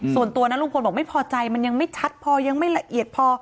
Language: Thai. ส่วนตัวนั้นลุงพลบอกไม่พอใจมันยังไม่ชัดพอยังไม่ละเอียดพอ